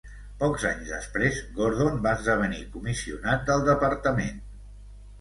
Pocs anys després Gordon va esdevenir comissionat del departament.